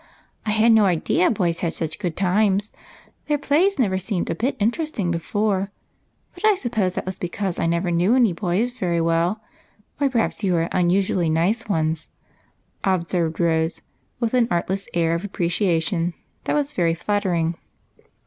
" I had no idea boys had such good times. Their plays never seemed a bit interesting before. But I suppose that was because I never knew any boys very well, or perhaps you are unusually nice ones," observed Rose, with an artless air of appreciation that was very flattering.